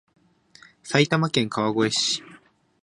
埼玉県川越市